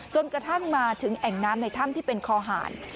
จนกระทั่งมาถึงแอ่งน้ำในถ้ำที่เป็นคอหาร